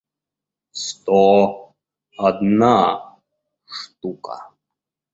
сто одна штука